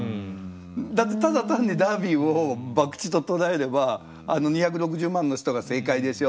だってただ単にダービーをばくちと捉えればあの２６０万の人が正解でしょ。